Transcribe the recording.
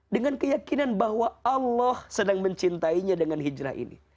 dengan keyakinan bahwa allah sedang mencintainya dengan hijrah ini